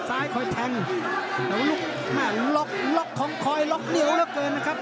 ซ้ายคอยแทงล็อกของคอยล็อกเหนียวแล้วเกินนะครับ